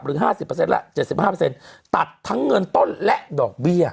๕๐ละ๗๕ตัดทั้งเงินต้นและดอกเบี้ย